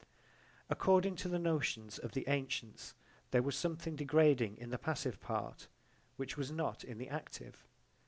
According to the notions of the antients there was something degrading in the passive part which was not in the active.